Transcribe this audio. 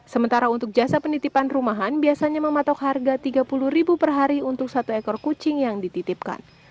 sementara untuk jasa penitipan rumahan biasanya mematok harga rp tiga puluh per hari untuk satu ekor kucing yang dititipkan